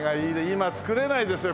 今作れないですよ